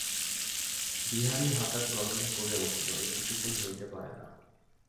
বিহারী হঠাৎ গর্জন করিয়া উঠিল, এ কিছুতেই হইতে পারে না।